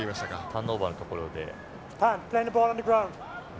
ターンオーバーのところで。